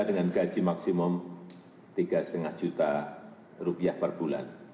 dengan gaji maksimum rp tiga lima juta per bulan